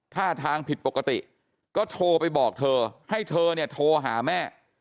ท่าทางผิดปกติก็โทรไปบอกเธอให้เธอเนี่ยโทรหาแม่